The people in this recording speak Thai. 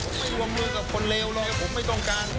ผมไม่รวมมือกับคนเลวเลยผมไม่ต้องการ